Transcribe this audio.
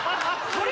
それ